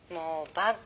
バカ。